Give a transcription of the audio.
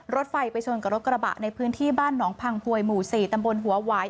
รถไฟไปชนกับรถกระบะในพื้นที่บ้านหนองพังพวยหมู่๔ตำบลหัวหวาย